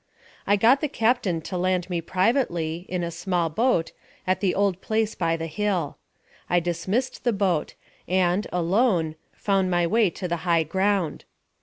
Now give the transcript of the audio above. I got the captain to land me privately, in a small boat, at the old place by the hill. I dismissed the boat, and, alone, found my way to the high ground.